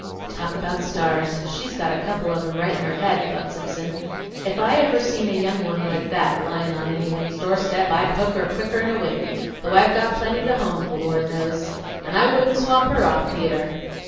"Talk about stars! She's got a couple of em right in her head," thought Simpson.... "If I ever seen a young one like that lyin; on anybody's doorstep I'd hook her quicker'n a wink, though I've got plenty to home, the Lord knows! And I wouldn't swap her off neither....